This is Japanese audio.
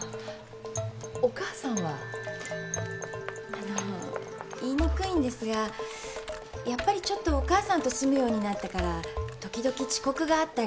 あの言いにくいんですがやっぱりちょっとお母さんと住むようになってからときどき遅刻があったり。